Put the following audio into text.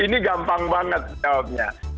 ini gampang banget jawabnya